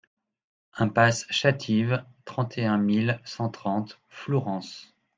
IMPASSE CHATIVE, trente et un mille cent trente Flourens